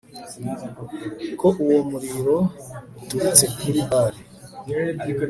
ko uwo muriro uturutse kuri Bali